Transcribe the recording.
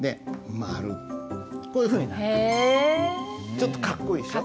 ちょっとかっこいいでしょ？